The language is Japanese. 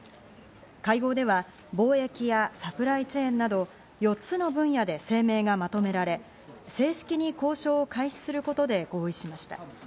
会合では、貿易やサプライチェーンなど４つの分野で声明がまとめられ、正式に交渉を開始することで合意しました。